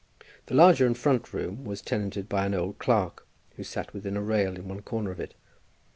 The larger and front room was tenanted by an old clerk, who sat within a rail in one corner of it.